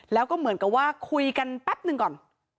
แล้วก็เหมือนกับว่าคุยกันแป๊บหนึ่งก่อน